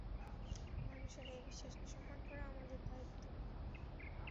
মানুষের এই বিশ্বাসকে সন্মান করা আমাদের দায়িত্ব।